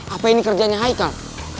apa ini kerjanya haikal